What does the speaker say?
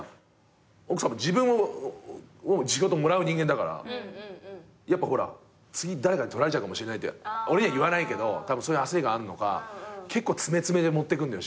奥さんも自分仕事もらう人間だからやっぱほら次誰かに取られちゃうかもしれないって俺には言わないけどそういう焦りがあんのか詰め詰めで持ってくんのよ